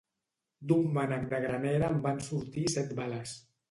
D'un mànec de granera en van sortir set bales.